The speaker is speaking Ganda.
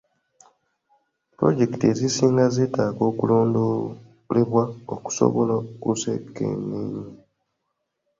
Pulojekiti ezisinga zetaaga okulondoolebwa okusobola okuzekenneenya.